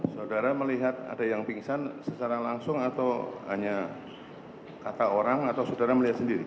saudara melihat ada yang pingsan secara langsung atau hanya kata orang atau saudara melihat sendiri